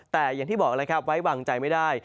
แต่อย่างที่บอกแล้วครับไว้วางใจไม่ได้